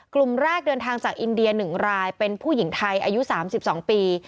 กลุ่มแรกเดินทางจากอินเดีย๑รายเป็นผู้หญิงไทยอายุ๓๒ปี